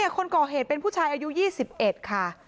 คนก่อเหตุเป็นผู้ชายอายุ๒๑ค่ะ